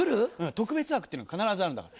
特別枠っていうのが必ずあるんだから。